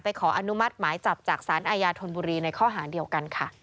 ขออนุมัติหมายจับจากสารอาญาธนบุรีในข้อหาเดียวกันค่ะ